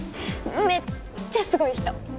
めっちゃすごい人！